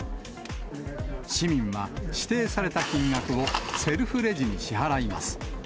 市民は指定された金額をセルフレジに支払います。